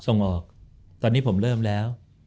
ส่งออกตอนนี้ผมเริ่มแล้ว